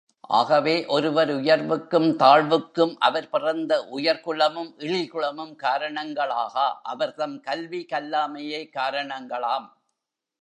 ஆகவே, ஒருவர் உயர்வுக்கும் தாழ்வுக்கும், அவர் பிறந்த உயர்குலமும், இழிகுலமும் காரணங்களாகா அவர்தம் கல்வி கல்லாமையே காரணங்களாம்.